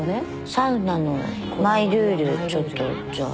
サウナのマイルールちょっとじゃあ。